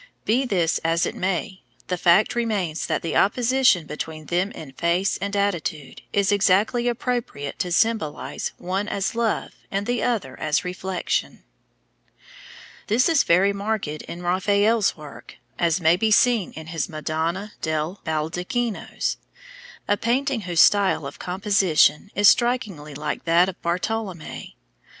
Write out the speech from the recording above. Be this as it may, the fact remains that the opposition between them in face and attitude is exactly appropriate to symbolize one as love and the other as reflection. This is very marked in Raphael's work, as may be seen in his Madonna del Baldacchino, a painting whose style of composition is strikingly like that of Bartolommeo.